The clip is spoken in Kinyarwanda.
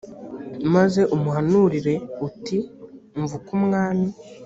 maze umuhanurire uti umva uko umwami